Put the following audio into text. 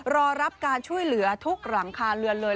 รอรับการช่วยเหลือทุกหลังคาเรือนเลย